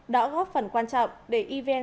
đã góp phần quan trọng để evn